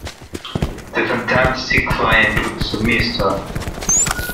The Fantastic Flying Books of Mr.